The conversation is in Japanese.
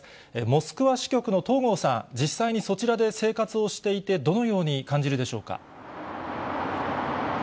モスクワ支局の東郷さん、実際にそちらで生活をしていて、どのように感じるでしょうか。